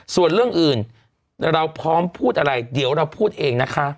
ส่วนเรื่องอื่นเราพร้อมพูดอะไรเดี๋ยวเราพูดเองนะคะ